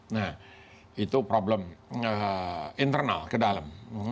nah itu problem internal ke dalam